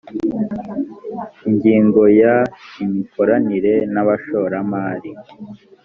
ingingo ya…: imikoranire n’abashoramari